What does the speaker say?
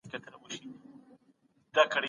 په څو هېوادونو کې د شکمنو کسانو کورونه وپلټل شول.